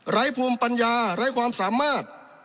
ภูมิปัญญาไร้ความสามารถ